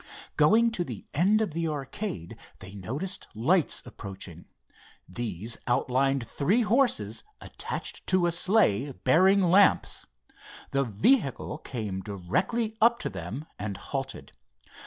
Going to the end of the arcade, they noticed lights approaching. These outlined three horses attached to a sleigh bearing lamps. The vehicle came directly up to them and halted.